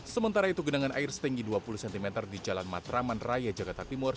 sementara itu genangan air setinggi dua puluh cm di jalan matraman raya jakarta timur